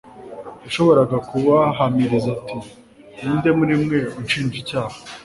yashoboraga kubahamiriza ati :« Ninde muri mwe unshinja icyaha?" »